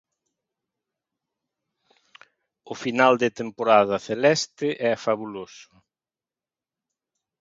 O final de temporada celeste é fabuloso.